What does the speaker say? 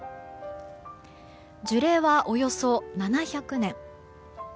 樹齢はおよそ７００年。